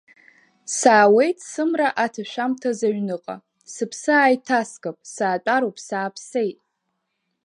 Саауеит сымра аҭашәамҭаз аҩныҟа, сыԥсы ааиҭаскып, саатәароуп сааԥсеит.